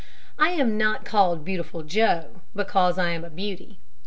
I am not called Beautiful Joe because I am a beauty.